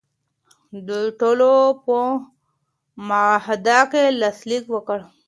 دوی ټولو په معاهده لاسلیک وکړ.